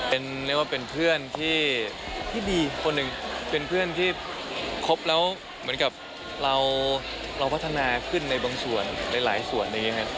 เป็นเรียกว่าเป็นเพื่อนที่ดีคนหนึ่งเป็นเพื่อนที่ครบแล้วเหมือนกับเราพัฒนาขึ้นในบางส่วนหลายส่วนอะไรอย่างนี้ครับ